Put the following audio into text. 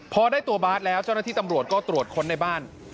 พอได้ตัวบาสแล้วเจ้าหน้าที่ตำรวจก็ตรวจค้นในบ้าน